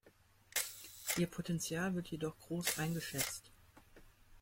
Ihr Potential wird jedoch groß eingeschätzt.